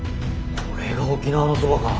これが沖縄のそばか。